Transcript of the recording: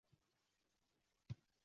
Bizga taklif etishlari bejiz emas